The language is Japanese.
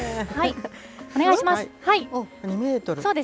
お願いします。